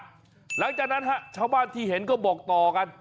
หลังจากนั้นฮะชาวบ้านที่เห็นก็บอกต่อกัน